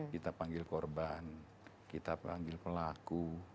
kita panggil korban kita panggil pelaku